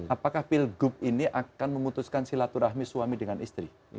apakah pilgub ini akan memutuskan silaturahmi suami dengan istri